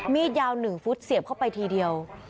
มีดยาว๑ฟุตเสียบเข้าไปทีเดียว